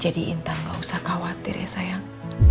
jadi intan gak usah khawatir ya sayang